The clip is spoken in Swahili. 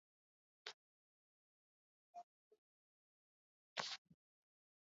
sufuri moja tano saba nne saba nasi tutausoma